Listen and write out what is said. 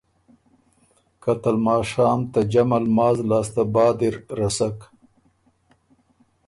که ته لماشام ته جمع لماز لاسته بعد اِر رسک۔